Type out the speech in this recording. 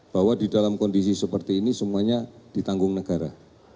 bahwa di dalam kondisi seperti ini semuanya ditanggung negara